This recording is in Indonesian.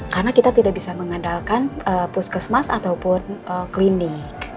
karena kita tidak bisa mengandalkan puskesmas ataupun klinik